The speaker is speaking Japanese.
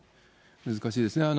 難しいですね。